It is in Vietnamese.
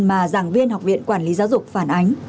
mà giảng viên học viện quản lý giáo dục phản ánh